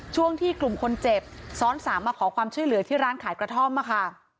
ช่วงที่กลุ่มคนเจ็บซ้อนสามมาขอความช่วยเหลือที่ร้านขายกระท่อมค่ะ